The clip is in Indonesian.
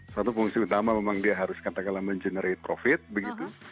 satu fungsi utama memang dia harus katakanlah mengenerate profit begitu